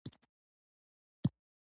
د دې هېواد اقتصادي وده به ورو ورو پناه شي.